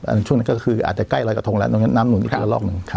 ในช่วงนั้นก็คืออาจจะใกล้รอยกระทงแล้วตรงนั้นน้ำหนุนอีกละลอกหนึ่ง